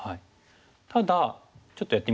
ただちょっとやってみましょうか。